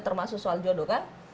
termasuk soal jodoh kan